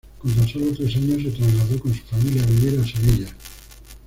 Con tan solo tres años, se trasladó con su familia a vivir a Sevilla.